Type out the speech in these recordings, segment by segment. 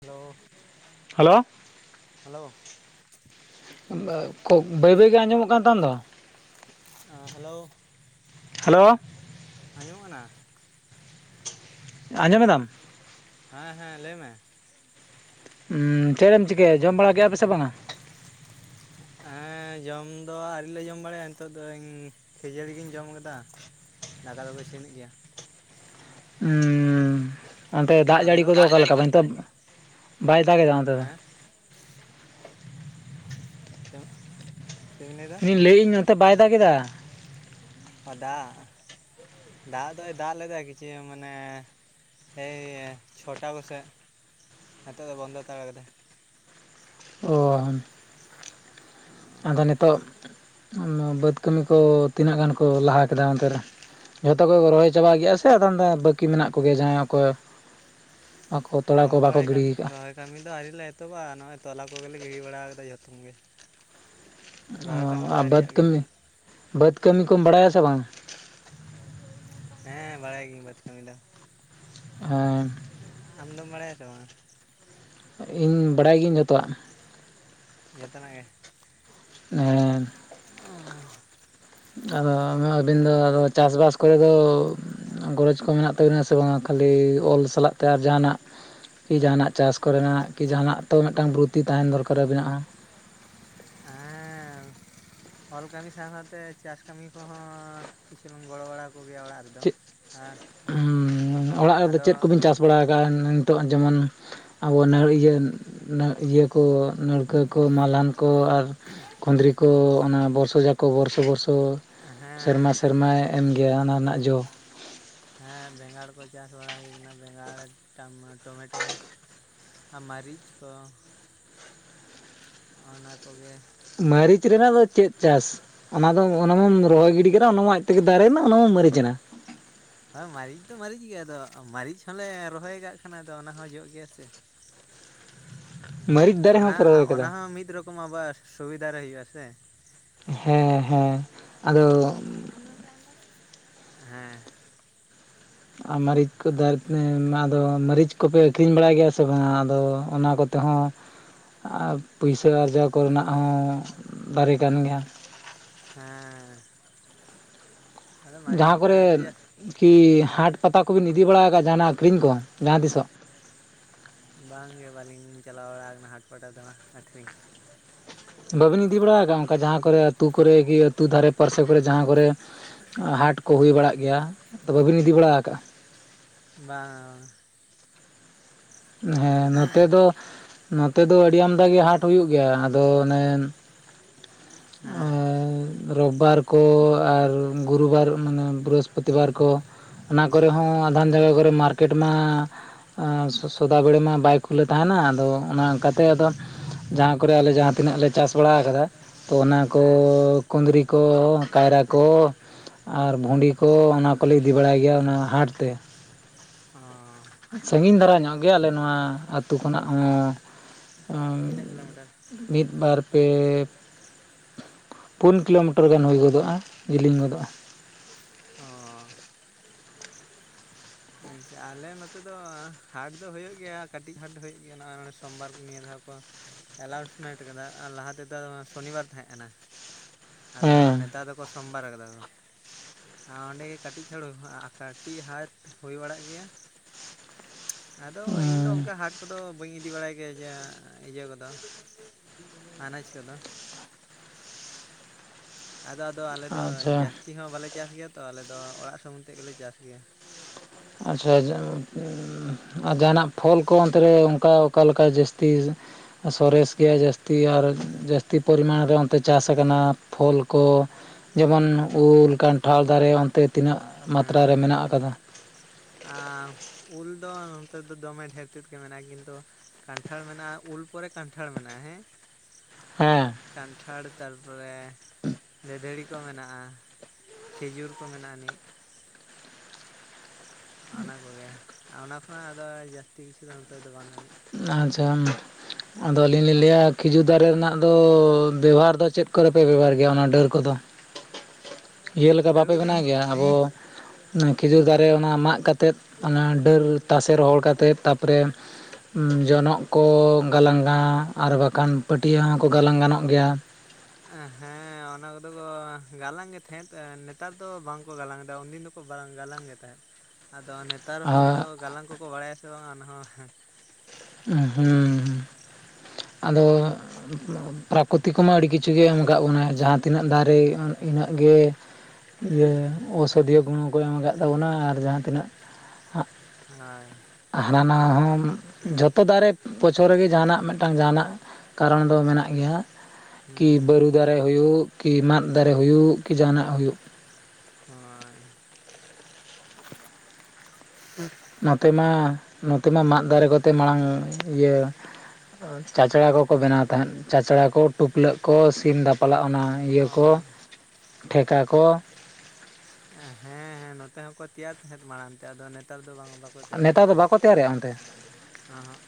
Hello hello hello, ᱦᱮᱱᱫᱟ ᱚᱠᱚ ᱵᱟᱹᱭ ᱵᱟᱹᱭ ᱜᱮ ᱟᱸᱡᱚᱢᱚᱜ ᱠᱟᱱ ᱛᱟᱢ ᱫᱚ, ᱦᱮᱸ ᱦᱮᱞᱳ, ᱦᱮᱞᱳ, ᱟᱡᱸᱢᱚᱜ ᱠᱟᱱᱟ? ᱟᱸᱡᱚᱢ ᱢᱮᱫᱟᱢ? ᱦᱮᱸ ᱦᱮᱸ ᱞᱟᱹᱭ ᱢᱮ? ᱩᱢ ᱪᱮᱫ ᱮᱢ ᱪᱤᱠᱟᱹᱭᱟ ᱡᱚᱢ ᱵᱟᱲᱟ ᱠᱮᱫᱼᱟ ᱯᱮᱥᱮ ᱵᱟᱝᱟ? ᱦᱮᱸ ᱡᱚᱢ ᱫᱚ ᱟᱹᱣᱨᱤ ᱞᱮ ᱡᱚᱢ ᱵᱟᱲᱟᱭᱟ ᱱᱤᱛᱚᱜ ᱫᱚᱧ, ᱠᱷᱟᱡᱟᱹᱲᱤ ᱜᱤᱧ ᱡᱚᱢ ᱠᱟᱫᱟ ᱫᱟᱠᱟ ᱫᱚᱠᱚ ᱤᱥᱤᱱᱮ ᱜᱮᱭᱟ᱾ ᱩᱸ ᱚᱱᱛᱮ ᱫᱟᱜᱽ ᱟᱢ ᱡᱟᱹᱲᱤ ᱫᱚ ᱠᱚᱫᱚ ᱫᱟᱜ ᱚᱠᱟᱞᱮᱠᱟ ᱠᱚ ᱵᱟᱝ ᱱᱤᱛᱳ ᱵᱟᱭ ᱫᱟᱜᱽ ᱮᱟ ᱚᱱᱛᱮ ᱫᱚ? ᱦᱮᱸ ᱪᱟᱜ, ᱤᱧ ᱞᱟᱹᱭᱮᱫᱟᱹᱧ ᱱᱚᱛᱮ ᱵᱟᱭ ᱫᱟᱜᱮᱫᱟ? ᱚ ᱫᱟᱜᱽ ᱫᱟᱜᱽ ᱫᱚᱭ ᱫᱟᱜᱽ ᱞᱮᱫᱟᱭ ᱠᱤᱪᱷᱩ ᱧᱚᱜ ᱢᱟᱱᱮ ᱮᱭ ᱪᱷᱚᱴᱟ ᱠᱚᱥᱮᱜ ᱱᱤᱛᱳᱜ ᱫᱚ ᱵᱚᱱᱫᱚ ᱦᱟᱛᱟᱲᱟ ᱠᱟᱫᱟᱭ, ᱚ ᱦᱮᱸ [inaudible] ᱟᱫᱚ ᱱᱤᱛᱚᱜ ᱵᱟᱹᱫᱽ ᱠᱟᱹᱢᱤ ᱠᱚ ᱛᱤᱱᱟᱹᱜ ᱜᱟᱱ ᱠᱚ ᱞᱟᱦᱟ ᱠᱮᱫᱟ ᱚᱱᱛᱮ ᱨᱮ? ᱡᱷᱚᱛᱚ ᱠᱚᱠᱚ ᱨᱚᱦᱚᱭ ᱪᱟᱵᱟ ᱜᱮᱭᱟ ᱥᱮ ᱟᱫᱚᱢ ᱫᱚ ᱵᱟᱹᱠᱤ ᱢᱮᱱᱟᱜ ᱠᱚᱜᱮ ᱡᱟᱦᱟᱸᱭ ᱚᱠᱚᱭ? ᱟᱠᱚ ᱛᱚᱲᱟ ᱠᱚ ᱵᱟᱠᱚ ᱨᱚᱦᱚᱭ ᱜᱤᱰᱤ ᱠᱟᱹᱢᱤ ᱟᱠᱟᱜᱼᱟ᱾ ᱨᱚᱦᱚᱭ ᱠᱟᱹᱢᱤ ᱫᱚ ᱟᱹᱣᱨᱤ ᱞᱮ ᱮᱛᱚᱦᱚᱵᱟ ᱱᱚᱜᱼᱚᱭ ᱛᱚᱞᱟ ᱠᱚᱜᱮ ᱞᱮ ᱜᱤᱲᱤ ᱵᱟᱲᱟ ᱟᱠᱟᱫᱟ ᱡᱚᱛᱚᱢ ᱜᱮ᱾ ᱚ ᱨᱚᱦᱚᱭ ᱠᱟᱹᱢᱤ ᱫᱚ ᱟᱨ ᱵᱟᱹᱫᱽ ᱟᱹᱣᱨᱤᱭᱟᱜ ᱜᱮ ᱠᱟᱹᱢᱤ ᱵᱟᱹᱫᱽ ᱠᱟᱹᱢᱤ ᱠᱚᱢ ᱵᱟᱲᱟᱭᱟ ᱥᱮ ᱵᱟᱝᱟ? ᱦᱮᱸ ᱵᱟᱲᱟᱭ ᱜᱤᱭᱟᱹᱧ ᱵᱟᱫᱽ ᱠᱟᱹᱢᱤ ᱫᱚ᱾ ᱦᱮᱸ ᱟᱢᱫᱚᱢ ᱵᱟᱲᱟᱭᱟ ᱥᱮ ᱵᱟᱝᱟ? ᱤᱧ ᱵᱟᱰᱟᱭ ᱜᱤᱭᱟᱹᱧ ᱡᱚᱛᱚᱣᱟᱜ᱾ ᱡᱚᱛᱚᱱᱟᱜ ᱜᱮ, ᱦᱮᱸ, ᱟᱸᱻ ᱟᱨᱚ ᱟᱫᱚ ᱟᱹᱵᱤᱱ ᱫᱚ ᱟᱫᱚ ᱪᱟᱥᱵᱟᱥ ᱠᱚᱨᱮ ᱫᱚ, ᱜᱚᱨᱚᱡᱽ ᱠᱚ ᱢᱮᱱᱟᱜ ᱛᱟᱵᱤᱱᱟ ᱥᱮ ᱵᱟᱝᱟ ᱠᱷᱟᱹᱞᱤ ᱚᱞ ᱥᱟᱞᱟᱜ ᱛᱮ ᱟᱨ ᱡᱟᱦᱟᱸᱱᱟᱜ ᱠᱤ ᱡᱟᱦᱟᱸᱱᱟᱜ ᱪᱟᱥ ᱠᱚ ᱨᱮᱱᱟᱜ ᱠᱤ ᱡᱟᱦᱟᱸᱱᱟᱜ ᱛᱚ ᱢᱤᱫᱴᱟᱝ ᱵᱨᱩᱛᱤ ᱛᱟᱦᱮᱸᱱ ᱫᱚᱨᱠᱟᱨ ᱟᱹᱵᱤᱱᱟᱜ ᱦᱚᱸ, ᱦᱮᱸᱻ᱾ ᱚᱞ ᱠᱟᱹᱢᱤ ᱥᱟᱶ ᱥᱟᱶᱛᱮ ᱪᱟᱥ ᱠᱟᱹᱢᱤ ᱠᱚᱦᱚᱸ ᱠᱤᱪᱷᱩ ᱞᱤᱧ ᱜᱚᱲᱚ ᱵᱟᱲᱟ ᱠᱚ ᱜᱮᱭᱟ ᱚᱲᱟᱜ ᱨᱮᱫᱚ, ᱪᱮᱫ ᱦᱚᱸ᱾ ᱟᱫᱚ ᱛᱷᱚᱲᱟ ᱜᱟᱱ ᱱᱤᱛᱚᱜ ᱡᱮᱢᱚᱱ ᱟᱵᱚ ᱱᱟᱹᱲ ᱤᱭᱟᱹ, ᱤᱭᱟᱹ ᱠᱚ ᱱᱟᱹᱲᱠᱟᱹ ᱠᱚ, ᱢᱟᱞᱟᱱ ᱠᱚ ᱟᱨ ᱠᱩᱸᱫᱽᱨᱤ ᱠᱚ ᱚᱱᱟ ᱵᱚᱨᱥᱚ ᱡᱟᱠᱚ ᱵᱚᱨᱥᱚ ᱵᱚᱨᱥᱚ ᱦᱮᱸ ᱥᱮᱨᱢᱟ ᱥᱮᱨᱢᱟᱭ ᱮᱢ ᱜᱮᱭᱟ ᱚᱱᱟ ᱨᱮᱱᱟᱜ ᱡᱚ᱾ ᱦᱮᱸ ᱵᱮᱸᱜᱟᱲ ᱠᱚ ᱪᱟᱥ ᱵᱟᱲᱟ ᱦᱩᱭ ᱠᱟᱱᱟ ᱵᱮᱸᱜᱟᱲ, ᱴᱟᱢᱟᱴᱳ ᱴᱚᱢᱮᱴᱳ, ᱟᱨ ᱢᱟᱹᱨᱤᱪ ᱠᱚ᱾ ᱚᱱᱟ ᱠᱚᱜᱮ᱾ ᱢᱟᱹᱨᱤᱪ ᱨᱮᱱᱟᱜ ᱫᱚ ᱪᱮᱫ ᱪᱟᱥ? ᱚᱱᱟ ᱫᱚ ᱚᱱᱟ ᱢᱟᱢ ᱨᱚᱦᱚᱭ ᱜᱤᱰᱤ ᱠᱮᱫᱟ ᱚᱱᱟ ᱢᱟ ᱟᱡ ᱛᱮᱜᱮ ᱫᱟᱨᱮᱭᱮᱱᱟ ᱚᱱᱟᱢᱟ ᱢᱟᱹᱨᱤᱡ ᱮᱱᱟ᱾ ᱦᱳᱭ ᱢᱟᱹᱨᱤᱪ ᱫᱚ ᱢᱟᱹᱨᱤᱪ ᱜᱮ ᱟᱫᱚ ᱢᱟᱹᱨᱤᱪ ᱦᱚᱸ ᱞᱮ ᱨᱚᱦᱚᱭ ᱠᱟᱜ ᱠᱟᱱᱟ ᱟᱫᱚ ᱚᱱᱟ ᱦᱚᱸ ᱡᱚᱜ ᱜᱮᱭᱟ ᱥᱮ᱾ ᱢᱟᱹᱨᱤᱪ ᱫᱟᱨᱮ ᱚᱱᱟ ᱦᱚᱸᱯᱮ ᱨᱚᱦᱚᱭ ᱚᱱᱟ ᱠᱟᱫᱟ ᱦᱚᱸ ᱢᱤᱫ ᱨᱚᱠᱚᱢ ᱟᱵᱟᱨ ᱥᱩᱵᱤᱫᱟ ᱨᱮ ᱦᱤᱡᱩᱜᱼᱟ ᱥᱮ᱾ ᱦᱮᱸ ᱦᱮᱸ, ᱟᱫᱚ ᱦᱮᱸ᱾ ᱟᱨ ᱢᱟᱹᱨᱤᱪ ᱠᱚ ᱫᱚ [inaudible] ᱟᱫᱚ ᱢᱟᱹᱨᱤᱪ ᱠᱚᱯᱮ ᱟᱹᱠᱷᱨᱤᱧ ᱵᱟᱲᱟᱭ ᱜᱮᱭᱟ ᱥᱮ ᱵᱟᱝ? ᱟᱫᱚ ᱚᱱᱟ ᱠᱚᱛᱮ ᱦᱚᱸ ᱟᱨ ᱯᱩᱭᱥᱟᱹ ᱟᱨᱡᱟᱣ ᱠᱚ ᱨᱮᱱᱟᱜ ᱦᱚᱸ ᱫᱟᱨᱮ ᱠᱟᱱ ᱜᱮᱭᱟ᱾ ᱦᱮᱸ᱾ ᱟᱫᱚ ᱢᱟᱹᱨᱤᱪ ᱡᱟᱦᱟᱸ ᱠᱚᱨᱮ ᱫᱟᱨᱮ ᱫᱚ ᱡᱟᱹᱥᱛᱤ ᱠᱤ ᱦᱮᱸ ᱦᱟᱴ ᱯᱟᱛᱟ ᱠᱚᱵᱤᱱ ᱤᱫᱤ ᱵᱟᱲᱟ ᱟᱠᱟᱜ ᱡᱟᱦᱟᱸᱱᱟᱜ ᱟᱠᱷᱨᱤᱧ ᱠᱚ, ᱡᱟᱦᱟᱸ ᱛᱤᱥᱚᱜ? ᱵᱟᱝ ᱜᱮ ᱵᱟᱹᱞᱤᱧ ᱪᱟᱞᱟᱣ ᱵᱟᱲᱟ ᱟᱠᱟᱱᱟ ᱦᱟᱴ ᱯᱟᱴᱟ ᱫᱟᱬᱟ ᱟᱹᱠᱷᱨᱤᱧ᱾ ᱵᱟᱹᱵᱤᱱ ᱤᱫᱤ ᱵᱟᱲᱟ ᱟᱠᱟᱜ-ᱟ ᱚᱝᱠᱟ ᱡᱟᱦᱟᱸ ᱠᱚᱨᱮ ᱟᱹᱛᱩ ᱠᱚᱨᱮ [unintelligible] ᱟᱹᱛᱩ ᱫᱷᱟᱨᱮ ᱯᱟᱨᱥᱮ ᱠᱚᱨᱮ ᱡᱟᱦᱟᱸ ᱠᱚᱨᱮ ᱦᱟᱴ ᱠᱚ ᱦᱩᱭ ᱵᱟᱲᱟᱜ ᱜᱮᱭᱟ᱾ ᱛᱚ ᱵᱟᱹᱵᱤᱱ ᱤᱫᱤ ᱵᱟᱲᱟ ᱠᱟᱜᱼᱟ? ᱵᱟᱝ᱾ [inaudible] ᱦᱮᱸ ᱱᱚᱛᱮ ᱫᱚ, ᱱᱚ ᱛᱮ ᱫᱚ ᱟᱹᱰᱤ ᱟᱢᱫᱟ ᱜᱮ ᱦᱟᱴ ᱦᱩᱭᱩᱜ ᱜᱮᱭᱟ ᱟᱫᱚ ᱚᱱᱮ, ᱦᱮᱸ ᱮᱸᱻ ᱨᱳᱵᱵᱟᱨ ᱠᱚ ᱟᱨ ᱜᱩᱨᱩᱵᱟᱨ ᱢᱟᱱᱮ ᱵᱤᱨᱚᱥᱯᱚᱛᱤ ᱵᱟᱨ ᱠᱚ, ᱚᱱᱟ ᱠᱚᱨᱮ ᱦᱚᱸ ᱟᱫᱷᱟᱱ ᱡᱟᱭᱜᱟ ᱠᱚᱨᱮ ᱢᱟᱨᱠᱮᱴ ᱢᱟ ᱟᱸ [unintelligible] ᱢᱟ ᱵᱟᱭ ᱠᱷᱩᱞᱟᱹᱣ ᱛᱟᱦᱮᱸᱱᱟ ᱟᱫᱚ ᱚᱱᱟ ᱚᱝᱠᱟᱛᱮ ᱟᱫᱚ ᱡᱟᱦᱟᱸ ᱠᱚᱨᱮ ᱟᱞᱮ ᱡᱟᱦᱟᱸᱛᱤᱱᱟᱹᱜ ᱞᱮ ᱪᱟᱥ ᱵᱟᱲᱟ ᱟᱠᱟᱫᱟ, ᱛᱚ ᱚᱱᱟ ᱠᱚ ᱦᱮᱸ ᱠᱩᱸᱫᱽᱨᱤ ᱠᱚ, ᱠᱟᱭᱨᱟ ᱠᱚ, ᱟᱨ ᱵᱷᱩᱸᱰᱤ ᱠᱚ ᱚᱱᱟ ᱠᱚᱞᱮ ᱤᱫᱤ ᱵᱟᱲᱟᱭ ᱜᱮᱭᱟ ᱚᱱᱟ ᱦᱟᱴᱛᱮ᱾ ᱚᱸᱻ᱾ ᱥᱟᱺᱜᱤᱧ ᱫᱷᱟᱨᱟ ᱧᱚᱜ ᱜᱮ ᱟᱞᱮ ᱱᱚᱣᱟ ᱟᱹᱛᱩ ᱠᱷᱚᱱᱟᱜ ᱦᱚᱸ, ᱛᱤᱱᱟᱹᱜ ᱠᱤᱞᱳᱢᱤᱴᱟᱨ ᱢᱤᱫ, ᱵᱟᱨ, ᱯᱮ ᱯᱩᱱ ᱠᱤᱞᱳᱢᱤᱴᱟᱨ ᱜᱟᱱ ᱦᱩᱭ ᱜᱚᱫᱚᱜᱼᱟ, ᱡᱮᱞᱤᱧ ᱜᱚᱫᱚᱜᱼᱟ᱾ ᱚᱸᱻ᱾ ᱟᱪᱪᱷᱟ ᱟᱞᱮ ᱱᱚᱛᱮ ᱫᱚ ᱦᱟᱴ ᱫᱚ ᱦᱳᱭᱳᱜ ᱜᱮᱭᱟ ᱠᱟᱹᱴᱤᱡ ᱦᱟᱴ ᱫᱚ ᱦᱳᱭᱳᱜ ᱜᱮᱭᱟ ᱱᱚᱜᱼᱚᱭ ᱱᱚᱰᱮ ᱥᱚᱢᱵᱟᱨ ᱱᱤᱭᱟᱹ ᱫᱷᱟᱣ ᱠᱚ ᱮᱞᱟᱣᱩᱥᱢᱮᱱᱴ ᱠᱟᱫᱟ, ᱟᱨ ᱞᱟᱦᱟ ᱛᱮᱫᱚ ᱥᱚᱱᱤᱵᱟᱨ ᱛᱟᱦᱮᱸᱜ ᱠᱟᱱᱟ᱾ ᱟᱫᱚ ᱦᱮᱸ ᱱᱮᱛᱟᱨ ᱫᱚᱠᱚ ᱥᱳᱢᱵᱟᱨ ᱟᱠᱟᱫᱟ ᱠᱚ᱾ ᱟᱸ ᱚᱸᱰᱮᱜᱮ ᱠᱟᱹᱴᱤᱡ ᱪᱷᱟᱹᱲᱳ [inaudible] ᱠᱟᱹᱴᱤᱡ ᱦᱟᱴ ᱦᱳᱭ ᱵᱟᱲᱟᱜ ᱜᱮᱭᱟ, ᱟᱫᱚ ᱤᱧ ᱫᱚ ᱚᱝᱠᱟ ᱦᱟᱴ ᱠᱚᱫᱚ ᱵᱟᱹᱧ ᱤᱫᱤ ᱵᱟᱲᱟᱭ ᱜᱮᱭᱟ ᱡᱟ ᱤᱭᱟᱹ ᱠᱚᱫᱚ ᱟᱱᱟᱡᱽ ᱠᱚᱫᱚ ᱟᱫᱚ ᱟᱫᱚ ᱟᱞᱮ ᱫᱚ ᱟᱪᱪᱷᱟ ᱡᱟᱹᱥᱛᱤ ᱦᱚᱸ ᱵᱟᱞᱮ ᱪᱟᱥ ᱜᱮᱭᱟ ᱛᱚ ᱟᱞᱮ ᱫᱚ ᱚᱲᱟᱜ ᱥᱩᱢᱩᱝ ᱛᱮᱫ ᱜᱮᱞᱮ ᱪᱟᱥ ᱜᱮᱭᱟ ᱾ ᱟᱪᱪᱷᱟ [unintelligible] ᱦᱩᱸ ᱟᱨ ᱡᱟᱦᱟᱱᱟᱜ ᱯᱷᱚᱞ ᱠᱚ ᱚᱱᱛᱮᱨᱮ ᱚᱱᱠᱟ ᱚᱠᱟ ᱞᱮᱠᱟ ᱡᱟᱹᱥᱛᱤ ᱥᱚᱨᱮᱥ ᱜᱮᱭᱟ ᱡᱟᱹᱥᱛᱤ ᱟᱨ ᱡᱟᱹᱥᱛᱤ ᱯᱚᱨᱤᱢᱟᱱ ᱨᱮ ᱚᱱᱛᱮ ᱪᱟᱥ ᱟᱠᱟᱱᱟ ᱾ ᱯᱷᱚᱞ ᱠᱚ ᱡᱮᱢᱚᱱ ᱩᱞ ᱠᱟᱱᱴᱷᱟᱲ ᱫᱟᱨᱮ ᱚᱱᱛᱮ ᱛᱤᱱᱟᱹᱜ ᱢᱟᱛᱨᱟ ᱨᱮ ᱢᱮᱱᱟᱜ ᱟᱠᱟᱫᱟ? ᱟᱨ ᱩᱞ ᱫᱚ ᱱᱚᱱᱛᱮ ᱫᱚ ᱫᱚᱢᱮ ᱰᱷᱮᱨ ᱛᱮᱫ ᱜᱮ ᱢᱮᱱᱟᱜᱼᱟ ᱾ ᱠᱤᱱᱛᱩ ᱠᱟᱱᱴᱷᱟᱲ ᱢᱮᱱᱟᱜᱼᱟ ᱩᱞ ᱯᱚᱨᱮ ᱠᱟᱱᱴᱷᱟᱲ ᱢᱮᱱᱟᱜᱼᱟ ᱾ ᱦᱮᱸ ᱦᱚᱸ ᱠᱟᱱᱴᱷᱟᱲ ᱛᱟᱨᱯᱚᱨᱮ ᱰᱟᱹᱰᱷᱟᱹᱲᱤ ᱠᱚ ᱢᱮᱱᱟᱜᱼᱟ ᱾ ᱠᱷᱮᱡᱩᱨ ᱠᱚ ᱢᱮᱱᱟᱜ ᱟᱹᱱᱤᱡ ᱾ ᱚᱱᱟ ᱠᱚᱜᱮ ᱟᱨ ᱚᱱᱟ ᱠᱷᱚᱱᱟᱜ ᱟᱫᱚ ᱡᱟᱹᱥᱛᱤ ᱠᱤᱪᱷᱩ ᱫᱚ ᱱᱚᱛᱮ ᱫᱚ ᱵᱟᱱᱩᱜ ᱟᱱᱤᱡ᱾ ᱟᱨ ᱡᱟᱦᱟᱱ, ᱟᱫᱚ ᱟᱹᱞᱤᱧ ᱞᱤᱧ ᱞᱟᱹᱭᱟ ᱠᱷᱤᱡᱩᱨ ᱫᱟᱨᱮ ᱨᱮᱱᱟᱜ ᱫᱚ ᱵᱮᱵᱚᱦᱟᱨ ᱫᱚ ᱪᱮᱫ ᱠᱚᱨᱮᱯᱮ ᱵᱮᱵᱚᱦᱟᱨ ᱜᱮᱭᱟ ᱚᱱᱟ ᱰᱟᱹᱨ ᱠᱚᱫᱚ? ᱤᱭᱟᱹ ᱞᱮᱠᱟ ᱰᱟᱹᱨ ᱵᱟᱯᱮ ᱠᱚᱫᱚ ᱵᱮᱱᱟᱣ ᱜᱮᱭᱟ ᱟᱵᱚ ᱠᱷᱤᱡᱩᱨ ᱫᱟᱨᱮ ᱚᱱᱟ ᱢᱟᱜ ᱠᱟᱛᱮᱫ, ᱚᱱᱟ ᱰᱟᱹᱨ ᱛᱟᱥᱮ ᱨᱚᱦᱚᱲ ᱠᱟᱛᱮᱫ, ᱛᱟᱨᱯᱚᱨᱮ ᱡᱚᱱᱚᱜ ᱠᱚ ᱜᱟᱞᱟᱝᱼᱟ, ᱟᱨ ᱵᱟᱠᱷᱟᱱ ᱯᱟᱹᱴᱭᱟᱹ ᱦᱚᱸᱠᱚ ᱜᱟᱞᱟᱝ ᱜᱟᱱᱚᱜ ᱜᱮᱭᱟ᱾ ᱮ ᱦᱮᱸ ᱸ ᱚᱱᱟ ᱠᱚᱫᱚ ᱠᱚ ᱜᱟᱞᱟᱝ ᱜᱮ ᱛᱟᱦᱮᱸᱫ ᱱᱮᱛᱟᱨ ᱫᱚ ᱵᱟᱝᱠᱚ ᱜᱟᱞᱟᱝ ᱮᱫᱟ, ᱩᱱᱫᱤᱱ ᱫᱚᱠᱚ ᱜᱟᱞᱟᱝ ᱜᱮ ᱛᱟᱦᱮᱸᱫ᱾ ᱟᱫᱚ ᱱᱮᱛᱟᱨ ᱦᱚᱲ ᱫᱚ ᱟᱨ ᱜᱟᱞᱟᱝ ᱠᱚᱠᱚ ᱵᱟᱲᱟᱭᱟ ᱥᱮ ᱵᱟᱝ ᱚᱱᱟᱦᱚᱸ ᱦᱩᱸ ᱟᱫᱚ ᱯᱨᱟᱠᱚᱛᱤᱠᱢᱟ ᱟᱹᱰᱤ ᱠᱤᱪᱷᱩ‌ ᱜᱮ ᱮᱢ ᱠᱟᱜ ᱵᱚᱱᱟᱭ, ᱡᱟᱦᱟᱸ ᱛᱤᱱᱟᱹᱜ ᱫᱟᱨᱮ ᱤᱱᱟᱹᱜ ᱜᱮ ᱤᱭᱟᱹ ᱚᱥᱩᱫᱷᱤᱭᱟᱹ ᱜᱩᱱ ᱠᱚ ᱮᱢ ᱟᱠᱟᱫ ᱛᱟᱵᱚᱱᱟ ᱟᱨ ᱡᱟᱦᱟᱸ ᱛᱤᱱᱟᱹᱜ ᱦᱮᱭ ᱦᱟᱱᱟ ᱱᱟᱶᱭᱟ ᱦᱚᱢ ᱡᱷᱚᱛ [unintelligible] ᱫᱟᱨᱮ ᱵᱚᱪᱷᱚᱨ ᱨᱮᱜᱮ ᱡᱟᱦᱟᱱᱟᱜ ᱢᱤᱫᱴᱟᱝ ᱡᱟᱦᱟᱱᱟᱜ ᱠᱟᱨᱚᱱ ᱫᱚ ᱢᱮᱱᱟᱜ ᱜᱮᱭᱟ, ᱦᱟᱜ ᱠᱤ ᱦᱩᱸ ᱵᱟᱹᱨᱩ ᱫᱟᱨᱮ ᱦᱩᱭᱩᱜ, ᱠᱤ ᱢᱟᱫ ᱫᱟᱨᱮ ᱦᱩᱭᱩᱜ, ᱠᱤ ᱡᱟᱦᱟᱱᱟᱜ ᱦᱩᱭᱩᱜ, ᱦᱳᱭ ᱱᱚᱛᱮ ᱢᱟ ᱱᱚᱛᱮ ᱢᱟ ᱢᱟᱫ ᱫᱟᱨᱮ ᱠᱚᱛᱮ ᱢᱟᱲᱟᱝ ᱤᱭᱟᱹ ᱪᱟᱪᱲᱟ ᱠᱚᱠᱚ ᱵᱮᱱᱟᱣ ᱛᱟᱦᱮᱸᱫ, ᱪᱟᱪᱲᱟ ᱠᱚ ᱴᱩᱯᱞᱟᱹᱜ ᱠᱚ ᱥᱤᱢ ᱫᱟ ᱯᱞᱟᱜ ᱚᱱᱟ ᱤᱭᱟᱹ ᱠᱚ ᱚ ᱴᱷᱮᱠᱟ ᱠᱚ, ᱦᱮᱸ ᱦᱮᱸ ᱱᱚᱛᱮ ᱦᱚᱸᱠᱚ ᱛᱮᱭᱟᱨ ᱛᱟᱦᱮᱸᱫ ᱢᱟᱲᱟᱝ ᱛᱮ ᱟᱫᱚ ᱱᱮᱛ ᱱᱮᱛᱟᱨ ᱫᱚ ᱵᱟᱝ ᱵᱟᱠᱚ ᱛᱮᱭᱟᱨ ᱱᱮᱛᱟᱨ ᱫᱚ ᱫᱟᱠᱚ ᱵᱟᱠᱚ ᱛᱮᱭᱟᱨᱮᱫᱼᱟ ᱚᱱᱛᱮ ᱾ ᱚᱦᱚᱜ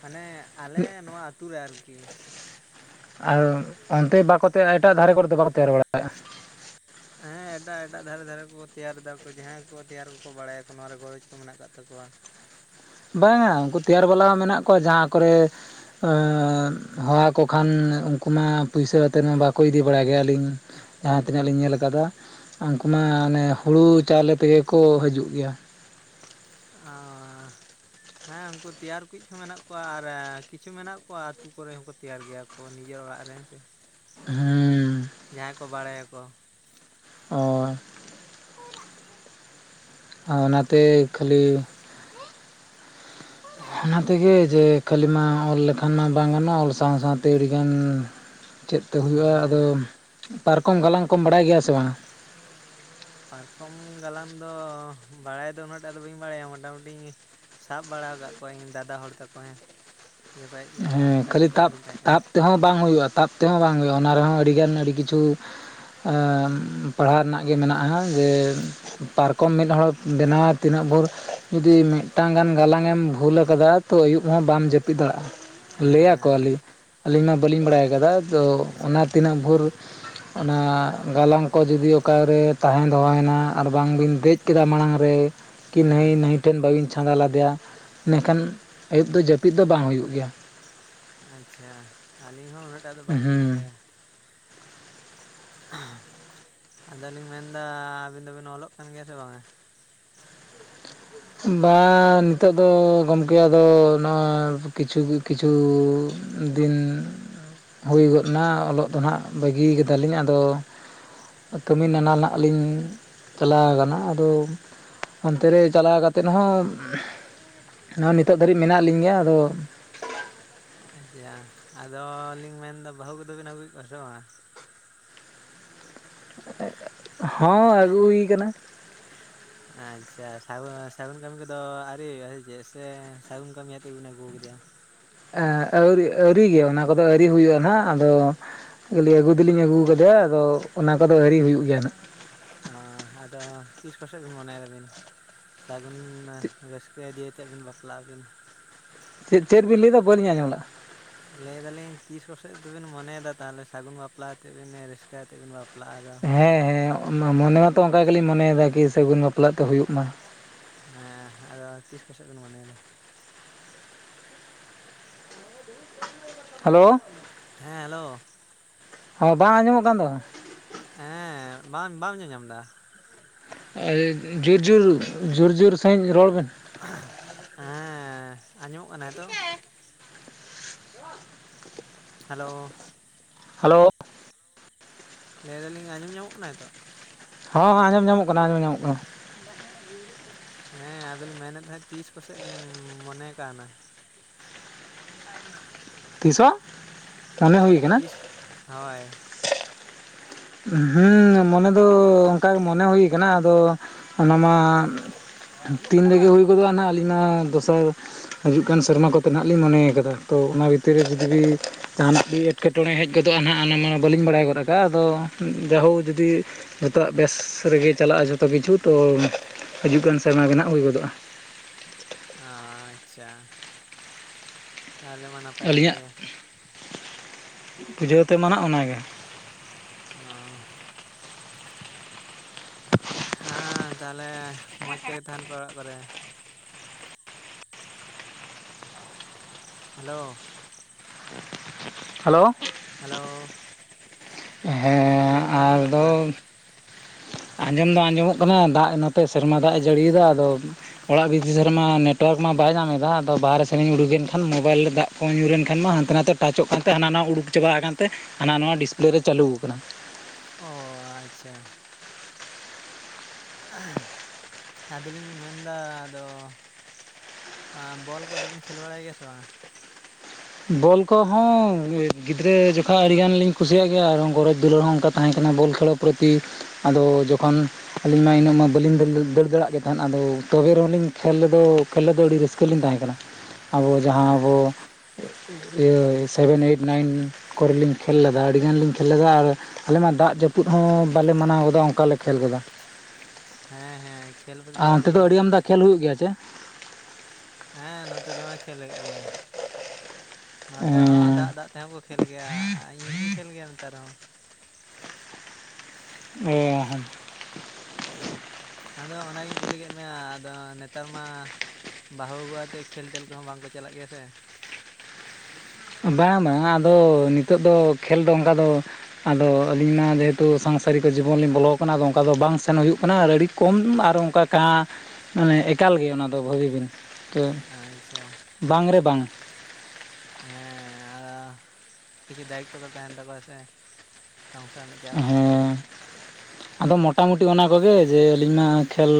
ᱢᱟᱱᱮ ᱟᱞᱮ ᱱᱚᱣᱟ ᱟᱛᱩ ᱨᱮ ᱟᱨᱠᱤ, ᱟᱨ ᱚᱱᱛᱮ ᱵᱟᱠᱚ ᱛᱮ ᱮᱴᱟᱜ ᱫᱷᱟᱨᱮ ᱠᱚᱨᱮ ᱫᱚ ᱵᱟᱠᱚ ᱛᱮᱭᱟᱨ ᱵᱟᱲᱟᱭᱮᱫᱼᱟ ᱾ ᱦᱮᱸ ᱮᱴᱟᱜ ᱼ ᱮᱴᱟᱜ ᱫᱷᱟᱨᱮ - ᱫᱷᱟᱨᱮ ᱠᱚᱠᱚ ᱛᱮᱭᱟᱨ ᱫᱟ ᱠᱚ ᱡᱟᱦᱟᱸᱭ ᱠᱚ ᱛᱮᱭᱟᱨ ᱠᱚᱠᱚ ᱵᱟᱲᱟᱭᱟᱠᱚ ᱱᱚᱣᱟ ᱨᱮ ᱜᱚᱨᱚᱡᱽ ᱠᱚ ᱢᱮᱱᱟᱜ ᱟᱠᱟᱫ ᱛᱟᱠᱚᱣᱟ ᱾ ᱵᱟᱝᱟ ᱾ ᱩᱱᱠᱩ ᱛᱮᱭᱟᱨ ᱵᱟᱞᱟ ᱦᱚᱸ ᱢᱮᱱᱟᱜ, ᱠᱚᱣᱟ ᱡᱟᱦᱟᱸ ᱠᱚᱨᱮ ᱦᱚ-ᱦᱚ ᱟᱠᱚ ᱠᱷᱟᱱ ᱩᱱᱠᱩ ᱢᱟ ᱾ ᱯᱩᱭᱥᱟᱹ ᱟᱛᱮ ᱢᱟ᱾ ᱵᱟᱠᱚ ᱤᱫᱤ ᱵᱟᱲᱟᱭ ᱜᱮᱭᱟ [unintelligible] ᱡᱟᱦᱟ ᱛᱤᱱᱟᱹᱜ ᱠᱤᱧ ᱡᱟᱦᱟ ᱞᱤᱧ ᱧᱮᱞ ᱟᱠᱟᱫᱟ᱾ ᱩᱱᱠᱩ ᱢᱟ ᱚᱱᱮ, ᱦᱩᱲᱩ ᱪᱟᱣᱞᱮ ᱛᱮᱜᱮ ᱠᱚ ᱦᱤᱡᱩᱜ ᱜᱮᱭᱟ᱾ [unintelligible] ᱟ᱾ ᱦᱮᱸ ᱩᱱᱠᱩ ᱛᱮᱭᱟᱨ ᱠᱩᱤᱡ ᱦᱚᱸ ᱢᱮᱱᱟᱜ, ᱠᱚᱣᱟ ᱟᱨ ᱠᱤᱪᱷᱩ ᱢᱮᱱᱟᱜ ᱠᱚᱣᱟ᱾ ᱟᱹᱛᱩ ᱠᱚᱨᱮ ᱦᱚᱸᱠᱚ ᱛᱮᱭᱟᱨ ᱜᱮᱭᱟ᱾ ᱚ ᱱᱤᱡᱮᱨ ᱚᱲᱟᱜ ᱨᱮᱦᱚ ᱥᱮ ᱦᱩᱸ᱾ ᱡᱟᱦᱟᱸᱭ ᱠᱚ ᱵᱟᱲᱟᱭᱟᱠᱚ ᱦᱳᱭ ᱟᱨ ᱚᱱᱟᱛᱮ ᱠᱷᱟᱹᱞᱤ ᱚᱱᱟ ᱛᱮᱜᱮ ᱡᱮ ᱠᱷᱟᱹᱞᱤ ᱢᱟ ᱚᱞ ᱞᱮᱠᱷᱟᱱ ᱢᱟ ᱵᱟᱝ ᱜᱟᱱᱚᱜᱼᱟ ᱚᱞ ᱥᱟᱶ ᱥᱟᱶᱛᱮ ᱟᱹᱰᱤᱜᱟᱱ ᱪᱮᱫ ᱛᱮ ᱦᱩᱭᱩᱜᱼᱟ ᱟᱫᱚ ᱦᱮᱸ ᱯᱟᱨᱠᱚᱢ ᱜᱟᱞᱟᱝ ᱠᱚᱢ ᱵᱟᱲᱟᱭ ᱜᱮᱭᱟ ᱥᱮ ᱵᱟᱝ? ᱯᱟᱨᱠᱚᱢ ᱜᱟᱞᱟᱝ ᱫᱚ ᱵᱟᱲᱟᱭ ᱫᱚ ᱩᱱᱟᱹᱜ ᱴᱟᱜ ᱫᱚ ᱵᱟᱹᱧ ᱵᱟᱲᱟᱭᱟ ᱢᱚᱴᱟᱢᱩᱴᱤ ᱥᱟᱵ ᱵᱟᱲᱟ ᱟᱠᱟᱫ ᱠᱚᱣᱟᱹᱧ ᱫᱟᱫᱟ ᱦᱚᱲ ᱛᱟᱠᱚ ᱦᱮᱸ ᱡᱚᱠᱷᱚᱡ ᱦᱮᱸ ᱠᱷᱟᱹᱞᱤ ᱠᱟᱹᱴᱤᱡ ᱧᱚᱜ ᱛᱟᱯ ᱞᱤᱧ ᱛᱟᱦᱮᱸ ᱠᱟᱱᱟ᱾ ᱛᱟᱯ ᱛᱮᱦᱚᱸ ᱵᱟᱝ ᱦᱩᱭᱩᱜᱼᱟ ᱛᱟᱯ ᱛᱮᱦᱚᱸ ᱵᱟᱝ ᱦᱩᱭᱩᱜᱼᱟ ᱚᱱᱟ ᱨᱮᱦᱚᱸ ᱟᱹᱰᱤ ᱜᱟᱱ ᱟᱹᱰᱤ ᱠᱤᱪᱷᱩ ᱮᱸᱻ ᱯᱟᱲᱦᱟᱣ ᱨᱮᱱᱟᱜ ᱜᱮ ᱢᱮᱱᱟᱜᱼᱟ ᱡᱮ ᱯᱟᱨ ᱠᱚᱢ ᱢᱤᱫ ᱦᱚᱲ ᱲᱮᱢ ᱵᱮᱱᱟᱣᱟ ᱛᱤᱱᱟᱹᱜ ᱵᱷᱳᱨ ᱡᱩᱫᱤ ᱢᱤᱫᱴᱟᱝ ᱜᱟᱱ ᱜᱟᱞᱟᱝ ᱮᱢ ᱵᱷᱩᱞ ᱟᱠᱟᱫᱟ᱾ ᱛᱚ ᱟᱹᱭᱩᱵ ᱦᱚᱸ ᱵᱟᱢ ᱡᱟᱹᱯᱤᱫ ᱫᱟᱲᱮᱭᱟᱜᱼᱟ᱾ ᱞᱟᱹᱭ ᱟᱠᱚ ᱦᱮᱸ ᱟᱞᱤ ᱟᱹᱞᱤᱧ ᱢᱟ ᱵᱟᱹᱞᱤᱧ ᱵᱟᱲᱟᱭ ᱟᱠᱟᱫᱟ ᱛᱚ ᱟᱪᱪᱷᱟ ᱚᱱᱟ ᱛᱤᱱᱟᱹᱜ ᱵᱷᱳᱨ [inaudible] ᱚᱱᱟ ᱜᱟᱞᱟᱝ ᱠᱚ ᱡᱩᱫᱤ ᱚᱠᱟᱨᱮ ᱛᱟᱦᱮᱸ ᱫᱚᱦᱚᱭᱮᱱᱟ ᱟᱨ ᱵᱟᱝᱵᱤᱱ ᱫᱮᱡ ᱠᱮᱫᱟ ᱢᱟᱲᱟᱝ ᱨᱮ ᱠᱤ ᱦᱮᱸ ᱱᱟᱹᱭ ᱱᱟᱹᱭ ᱴᱷᱮᱱ ᱵᱟᱹᱵᱤᱧ ᱪᱷᱟᱸᱫᱟ ᱞᱮᱫᱮᱭᱟ ᱤᱱᱟᱹᱠᱷᱟᱱ ᱟᱹᱭᱩᱵ ᱫᱚ ᱡᱟᱹᱯᱤᱫ ᱫᱚ ᱵᱟᱝ ᱦᱩᱭᱩᱜ ᱜᱮᱭᱟ᱾ ᱟᱪᱪᱷᱟ ᱟᱹᱞᱤᱧ ᱦᱚᱸ ᱩᱱᱟᱹᱜᱴᱟᱜ ᱫᱚ ᱵᱟᱝ ᱞᱤᱧ ᱦᱮᱸ ᱵᱟᱲᱟᱭᱟ᱾ ᱟᱫ ᱞᱤᱧ ᱢᱮᱱᱫᱟ ᱟᱵᱤᱱ ᱫᱚᱵᱤᱱ ᱚᱞᱚᱜ ᱠᱟᱱ ᱜᱮᱭᱟ ᱥᱮ ᱵᱟᱝᱟ᱾ ᱵᱟᱝ ᱱᱤᱛᱚᱜ ᱫᱚ ᱜᱚᱝᱠᱮ ᱟᱫᱚ ᱱᱚᱜ-ᱚᱭ ᱠᱤᱪᱷᱩ ᱠᱤᱪᱷᱩ ᱫᱤᱱ ᱦᱩᱭ ᱜᱚᱫ ᱱᱟ ᱚᱞᱚᱜ ᱫᱚ ᱱᱟᱦᱟᱜ ᱵᱟᱹᱜᱤ ᱠᱮᱫᱟ ᱞᱤᱧ ᱟᱫᱚ ᱠᱟᱹᱢᱤ ᱱᱟᱱᱟ ᱞᱤᱧ ᱪᱟᱞᱟᱣ ᱠᱟᱱᱟ ᱟᱫᱚ ᱚᱱᱛᱮ ᱨᱮ ᱪᱟᱞᱟᱣ ᱠᱟᱛᱮ ᱛᱮᱫ ᱦᱚᱸ ᱱᱚᱣᱟ ᱱᱤᱛᱚᱜ ᱫᱷᱟᱹᱨᱤᱡ ᱢᱮᱱᱟᱜ ᱞᱤᱧ ᱜᱮᱭᱟ ᱟᱫᱚ ᱟᱪᱪᱷᱟ ᱟᱫᱚ ᱞᱤᱧ ᱢᱮᱱᱫᱟ ᱵᱟᱹᱦᱩ ᱠᱚᱫᱚ ᱵᱤᱱ ᱟᱹᱜᱩ ᱠᱮᱫ ᱠᱚᱣᱟ ᱥᱮ ᱵᱟᱝ? ᱦᱚᱸ ᱟᱹᱜᱩ ᱦᱩᱭ ᱟᱠᱟᱱᱟ᱾ ᱟᱪᱪᱷᱟ ᱥᱟ ᱥᱟᱹᱜᱩᱱ ᱠᱟᱹᱢᱤ ᱠᱚᱫᱚ ᱟᱹᱣᱨᱤᱭ ᱪᱮᱫ ᱥᱮ ᱥᱟᱹᱜᱩᱱ ᱠᱟᱹᱢᱤ ᱭᱟᱛᱮ ᱜᱮ ᱵᱤᱱ ᱟᱹᱜᱩ ᱟᱠᱟᱫᱮᱭᱟ᱾ ᱟᱹᱣᱨᱤ ᱟᱹᱣᱨᱤ ᱜᱮ ᱚᱱᱟ ᱠᱚᱫᱚ ᱟᱹᱣᱨᱤ ᱦᱩᱭᱩᱜᱼᱟ ᱱᱟᱜ ᱟᱫᱚ ᱟᱹᱜᱩ ᱫᱚᱞᱤᱧ ᱟᱹᱜᱩ ᱟᱠᱟᱫᱮᱭᱟ ᱟᱫᱚ ᱚᱱᱟ ᱠᱚᱫᱚ ᱟᱹᱣᱨᱤ ᱦᱩᱭᱩᱜ ᱜᱮᱭᱟ ᱦᱟᱜ ᱚ-ᱟᱫᱚ ᱛᱤᱥ ᱠᱚᱥᱮᱜ ᱵᱤᱱ ᱢᱚᱱᱮ ᱫᱟᱵᱤᱱ ᱥᱟᱹᱜᱩᱱ ᱨᱟᱹᱥᱠᱟᱹ ᱤᱫᱤᱭ ᱠᱟᱛᱮᱫ ᱵᱤᱱ ᱵᱟᱯᱞᱟᱜ ᱟᱵᱤᱱ᱾ ᱪᱮᱫ ᱪᱮᱫ ᱵᱤᱱ ᱞᱟᱹᱭ ᱫᱟ ᱵᱟᱹᱞᱤᱧ ᱟᱸᱡᱚᱢ ᱞᱟᱜ-ᱟ᱾ ᱞᱟᱹᱭ ᱫᱟᱞᱤᱧ ᱛᱤᱥ ᱠᱚᱥᱮᱡ ᱫᱚᱵᱤᱱ ᱢᱚᱱᱮᱭᱮᱫᱟ ᱛᱟᱦᱚᱞᱮ ᱥᱟᱹᱜᱩᱱ ᱵᱟᱯᱞᱟ ᱟᱛᱮᱫ ᱵᱤᱱ ᱨᱟᱹᱥᱠᱟᱹ ᱟᱛᱮᱫ ᱵᱤᱱ ᱵᱟᱯᱞᱟᱜᱼᱟᱫᱟ᱾ ᱦᱮᱸ ᱦᱮᱸ ᱢᱚᱱᱮ ᱢᱟᱛᱚ ᱚᱱᱠᱟ ᱜᱮᱞᱤᱧ ᱢᱚᱱᱮᱭᱮᱫᱟ ᱠᱤ ᱥᱟᱹᱜᱩᱱ ᱵᱟᱯᱞᱟᱜ ᱛᱮ ᱦᱩᱭᱩᱜ ᱢᱟ᱾ ᱦᱮᱸ ᱟᱫᱚ ᱛᱤᱥ ᱠᱚᱥᱮᱫ ᱵᱮᱱ ᱢᱚᱱᱮᱭᱟᱫᱟ ᱦᱮᱞᱳ ᱦᱮᱸ ᱦᱮᱞᱳ ᱦᱚᱸ ᱵᱟᱝ ᱟᱸᱡᱚᱢᱚᱜ ᱠᱟᱱ ᱫᱚ ᱦᱮᱸ ᱵᱟᱝ ᱵᱟᱢ ᱧᱮᱞ ᱧᱟᱢ ᱮᱫᱟ ᱡᱳᱨ ᱡᱳᱨ ᱡᱳᱨ ᱡᱳᱨ ᱥᱟᱺᱦᱤᱡ ᱨᱚᱲ ᱵᱮᱱ ᱦᱮᱸ ᱟᱸᱡᱚᱢᱚᱜ ᱠᱟᱱᱟ ᱦᱤᱛᱚᱜ ᱦᱮᱞᱳ ᱦᱮᱞᱳ ᱞᱟᱹᱭ ᱫᱟᱞᱤᱧ ᱟᱸᱡᱚᱢ ᱧᱟᱢᱚᱜ ᱠᱟᱱᱟ ᱦᱤᱛᱚᱜ᱾ ᱦᱚᱸ ᱦᱚᱸ ᱟᱸᱡᱚᱢ ᱧᱟᱢᱚᱜ ᱠᱟᱱᱟ ᱟᱸᱡᱚᱢ ᱧᱟᱢᱚᱜ ᱠᱟᱱᱟ᱾ ᱦᱮᱸ ᱟᱫᱚᱞᱤᱧ ᱢᱮᱱᱮᱫ ᱛᱟᱦᱮᱸᱫ ᱛᱤᱥ ᱠᱚᱥᱮᱫ ᱵᱤᱱ ᱢᱚᱱᱮ ᱟᱠᱟᱱᱟ ᱛᱤᱥ ᱦᱚᱸ ᱢᱚᱱᱮ ᱦᱩᱭ ᱠᱟᱱᱟ ᱛᱤᱥ ᱦᱳᱭ ᱦᱩᱸ ᱢᱚᱱᱮ ᱫᱚ ᱚᱱᱠᱟ ᱢᱚᱱᱮ ᱦᱩᱭ ᱠᱟᱱᱟ, ᱟᱫᱚ ᱚᱱᱟ ᱢᱟ ᱛᱤᱱ ᱨᱮᱜᱮ ᱦᱩᱭ ᱜᱚᱫᱚᱜᱼᱟ ᱟᱹᱞᱤᱧ ᱢᱟ ᱫᱚᱥᱟᱨ ᱦᱤᱡᱩᱜ ᱠᱟᱱ ᱥᱮᱨᱢᱟ ᱠᱚᱛᱮ ᱦᱟᱸᱜ ᱞᱤᱧ ᱢᱚᱱᱮᱭ ᱠᱟᱫᱟ ᱛᱚ ᱚᱱᱟ ᱵᱷᱤᱛᱤᱨ ᱨᱮ ᱡᱚᱫᱤ ᱡᱟᱦᱟᱱᱟᱜ ᱜᱮ ᱮᱴᱠᱮᱴᱚᱬᱮ ᱦᱮᱡ ᱜᱚᱫᱚᱜᱼᱟ ᱱᱟᱦᱟᱜ ᱚᱱᱟ ᱢᱟ ᱵᱟᱹᱞᱤᱧ ᱵᱟᱲᱟᱭ ᱜᱚᱫ ᱠᱟᱫᱟ, ᱟᱫᱚ ᱡᱟᱭᱦᱳᱠ ᱡᱩᱫᱤ ᱡᱚᱛᱚᱣᱟᱜ ᱵᱮᱥ ᱨᱮᱜᱮ ᱪᱟᱞᱟᱜᱼᱟ ᱡᱚᱛᱚ ᱠᱤᱪᱷᱩ ᱛᱚ ᱦᱤᱡᱩᱜ ᱠᱟᱱ ᱥᱮᱨᱢᱟ ᱵᱮᱱᱟᱜ ᱦᱩᱭ ᱜᱚᱫᱚᱜᱼᱟ ᱾ ᱚ ᱟᱪᱪᱷᱟ, ᱛᱟᱦᱞᱮ ᱢᱟ ᱱᱟᱯᱟᱭ ᱠᱟᱛᱷᱟ ᱟᱹᱞᱤᱧᱟᱜ ᱜᱮ ᱵᱩᱡᱷᱟᱹᱣ ᱛᱮ ᱢᱟ ᱚᱱᱟᱜᱮ, ᱚ ᱾ ᱦᱮᱸ ᱛᱟᱦᱚᱞᱮ ᱢᱚᱸᱡᱽ ᱛᱮᱜᱮ ᱛᱟᱦᱮᱱ ᱯᱮ ᱚᱲᱟᱜ ᱠᱚᱨᱮ ᱾ ᱦᱮᱞᱳ ᱦᱮᱞᱳ ᱦᱮᱞᱳ ᱟᱞᱮ ᱦᱮᱸ ᱫᱚᱞᱮ ᱟᱡᱚᱢ ᱧᱟᱜ ᱠᱟᱱᱟ ᱾ ᱟᱹᱡᱚᱢ ᱫᱚ ᱟᱹᱡᱚᱢᱚᱜ ᱠᱟᱱᱟ ᱫᱟᱜ ᱱᱛᱮ ᱥᱮᱨᱢᱟ ᱫᱟᱜ ᱮ ᱡᱟᱹᱲᱤᱭᱫᱟ, ᱟᱫᱚ ᱚᱲᱟᱜ ᱵᱤᱫᱮᱥ ᱨᱮᱢᱟ ᱱᱮᱴᱣᱟᱨᱠ ᱢᱟ ᱵᱟᱭ ᱧᱟᱢᱮᱫᱟ ᱟᱫᱚ ᱵᱟᱦᱟᱨᱮ ᱥᱮᱱᱧ ᱩᱰᱩᱠᱮᱱ ᱠᱷᱟᱱ ᱢᱳᱵᱟᱭᱤᱞ ᱨᱮ ᱫᱟᱜ ᱯᱷᱳᱱ ᱧᱩᱨᱮᱱ ᱠᱷᱟᱱ ᱢᱟ ᱦᱟᱱᱛᱮ ᱱᱟᱛᱮ ᱴᱟᱪᱚᱜ ᱠᱟᱱᱛᱮ ᱦᱟᱱᱟ ᱱᱟᱣᱟ ᱩᱰᱩᱠ ᱪᱟᱵᱟ ᱟᱠᱟᱱᱛᱮ ᱦᱟᱱᱟ ᱱᱟ ᱰᱤᱥᱯᱞᱮ ᱨᱮ ᱪᱟᱹᱞᱩ ᱟᱠᱟᱱᱟ ᱾ ᱚ ᱟᱪᱪᱷᱟ ᱾ [unintelligible] ᱟᱫᱚ ᱞᱤᱧ ᱢᱮᱱᱫᱟ ᱟᱫᱚ ᱮᱸ ᱵᱚᱞ ᱠᱚᱫᱚ ᱵᱮᱱ ᱠᱷᱮᱞ ᱵᱟᱲᱟᱭ ᱜᱮᱭᱟ ᱥᱮ ᱵᱟᱝᱟ? ᱵᱚᱞ ᱠᱚᱦᱚᱸ ᱜᱤᱫᱽᱨᱟᱹ ᱡᱚᱠᱷᱟ ᱟᱹᱰᱤ ᱜᱟᱱᱞᱤᱧ ᱠᱩᱥᱤᱭᱟᱜ ᱜᱮᱭᱟ, ᱟᱨᱦᱚᱸ ᱜᱚᱨᱚᱚᱡ ᱫᱩᱞᱟᱹᱲ ᱦᱚᱸ ᱚᱱᱠᱟ ᱛᱟᱦᱮᱸ ᱠᱟᱱᱟ ᱵᱚᱞ ᱠᱷᱮᱞᱳ ᱯᱨᱚᱛᱤ ᱟᱫᱚ ᱡᱚᱠᱷᱚᱱ ᱟᱹᱞᱤᱧ ᱢᱟ ᱤᱱᱟᱹᱜ ᱢᱟ ᱵᱟᱹᱞᱤᱧ ᱫᱟᱹᱲ ᱫᱟᱹᱲᱟᱜ ᱜᱮ ᱛᱟᱦᱮᱸᱫ ᱟᱫᱚ ᱛᱚᱵᱮ ᱨᱮᱦᱚᱸᱤᱧ ᱠᱷᱮᱞᱫᱚ ᱠᱷᱮᱞᱫᱚ ᱟᱹᱰᱤ ᱨᱟᱹᱥᱠᱟᱹ ᱞᱤᱧ ᱛᱟᱦᱮᱸ ᱠᱟᱱᱟ ᱾ [unintelligible] ᱟᱵᱚ ᱡᱟᱦᱟᱸᱵᱚ ᱦᱮᱸ ᱤᱭᱟᱹ ᱥᱮᱵᱷᱮᱱ ᱮᱭᱤᱴ ᱱᱟᱭᱤᱱ ᱠᱚᱨᱮ ᱞᱤᱧ ᱠᱷᱮᱞ ᱞᱮᱫᱟ ᱟᱹᱰᱤᱜᱟᱱ ᱞᱤᱧ ᱠᱷᱮᱞ ᱞᱮᱫᱟ, ᱟᱨ ᱟᱞᱮ ᱢᱟ ᱫᱟᱜ ᱡᱟᱹᱯᱩᱫ ᱦᱚᱸ ᱵᱟᱞᱮ ᱢᱟᱱᱟᱣ ᱜᱚᱫᱟ ᱚᱱᱠᱟ ᱞᱮ ᱠᱷᱮᱞ ᱜᱚᱫᱟ ᱾ ᱦᱮᱸ ᱦᱮᱸ ᱾ ᱟᱨ ᱚᱱᱛᱮ ᱫᱚ ᱟᱹᱰᱤ ᱟᱢᱫᱟ ᱠᱷᱮᱞ ᱦᱩᱭᱩᱜ ᱜᱮᱭᱟ ᱥᱮ? ᱦᱮᱸ ᱱᱚᱛᱮ ᱫᱚᱢᱮ ᱠᱷᱮᱞ ᱦᱩᱭ ᱜᱮᱭᱟ ᱱᱚᱛᱮ ᱦᱚᱸ ᱫᱟᱜ ᱫᱟᱜ ᱛᱮᱦᱚᱸ ᱠᱚ ᱠᱷᱮᱞ ᱜᱮᱭᱟ, ᱟᱨ ᱤᱧᱦᱧ ᱠᱷᱮᱞ ᱜᱮᱭᱟ ᱱᱮᱛᱟᱨᱦᱚᱸ ᱾ [inaudible] ᱟᱫᱚ ᱚᱱᱟᱜᱤᱧ ᱠᱩᱞᱤ ᱠᱮᱫ ᱢᱮᱭᱟ ᱟᱫᱚ ᱱᱮᱛᱟᱨ ᱢᱟ ᱵᱟᱹᱦᱩ ᱟᱜᱩ ᱠᱟᱛᱮ ᱠᱷᱮᱞᱴᱮᱞ ᱠᱚᱦᱚᱸ ᱵᱟᱝ ᱠᱚ ᱪᱟᱞᱟᱜ ᱜᱮᱭᱟ ᱥᱮ ᱾ ᱵᱟᱝ ᱵᱟᱝ ᱟᱫᱚ ᱱᱤᱛᱚᱜ ᱫᱚ ᱠᱷᱮᱞ ᱫᱚ ᱚᱱᱠᱟ ᱫᱚ ᱟᱫᱚ ᱟᱹᱞᱤᱧ ᱢᱟ ᱡᱮᱦᱮᱛᱩ ᱥᱟᱝᱥᱟᱨᱤᱠ ᱠᱚ ᱡᱤᱵᱚᱱᱞᱤᱧ ᱵᱚᱞᱚ ᱟᱠᱟᱱᱟ ᱟᱫᱚ ᱚᱱᱠᱟ ᱫᱚ ᱵᱟᱝ ᱥᱮᱱ ᱦᱩᱭᱩᱜ ᱠᱟᱱᱟ ᱾ ᱟᱨ ᱟᱹᱰᱤ ᱠᱚᱢ ᱟᱨ ᱚᱱᱠᱟ ᱠᱟ ᱢᱟᱱᱮ ᱮᱠᱟᱞ ᱜᱮ ᱚᱱᱟ ᱫᱚ ᱵᱷᱟᱹᱜᱤ ᱵᱤᱱ ᱛᱚ ᱟᱪᱪᱷᱟ ᱵᱟᱝ ᱨᱮ ᱵᱟᱝ ᱦᱮᱸ ᱠᱤᱪᱷᱩ ᱫᱟᱭᱤᱛᱚ ᱫᱚ ᱛᱟᱦᱮᱱ ᱛᱟᱠᱚᱣᱟ ᱥᱮ ᱾ [inaudible] ᱦᱮᱸᱻ [unintelligible] ᱟᱫᱚ ᱢᱚᱴᱟᱢᱩᱴᱤ ᱚᱱᱟ ᱠᱚᱜᱮ ᱡᱮ ᱟᱹᱞᱤᱧᱢᱟ ᱠᱷᱮᱞ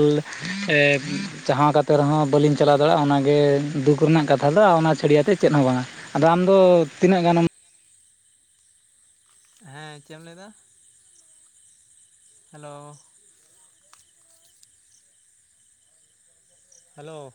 ᱡᱟᱦᱟᱸ ᱠᱟᱛᱮ ᱠᱟᱛᱮ ᱨᱮᱦᱚᱸ ᱵᱟᱹᱞᱤᱧ ᱪᱟᱞᱟᱣ ᱫᱟᱲᱮᱭᱟᱜᱼᱟ ᱚᱱᱟᱜᱮ ᱫᱩᱠ ᱨᱮᱱᱟᱜ ᱠᱟᱛᱷᱟ ᱫᱚ ᱚᱱᱟ ᱪᱷᱟᱹᱲᱭᱛ ᱪᱮᱫ ᱦᱚᱸ ᱵᱟᱝ-ᱟ ᱾ ᱟᱫᱚ ᱟᱢᱫᱚ ᱛᱤᱱᱟᱹᱜ ᱜᱟᱱᱮᱢ ᱦᱮᱸ ᱪᱮᱫ ᱮᱢ ᱞᱟᱹᱭ ᱫᱟ ᱦᱮᱞᱳ ᱦᱮᱞᱳ